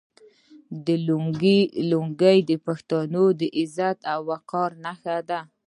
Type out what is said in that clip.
آیا لونګۍ د پښتنو د عزت او وقار نښه نه ده؟